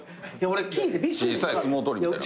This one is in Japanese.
小さい相撲取りみたいな。